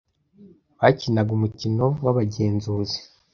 Bakinaga umukino wabagenzuzi.